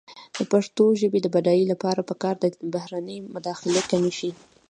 د پښتو ژبې د بډاینې لپاره پکار ده چې بهرنۍ مداخلې کمې شي.